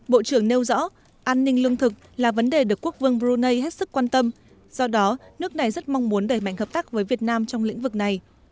bộ trưởng nêu rõ an ninh lương thực là vấn đề được quốc vương brunei hết sức quan tâm do đó nước này rất mong muốn đẩy mạnh hợp tác với việt nam trong lĩnh vực này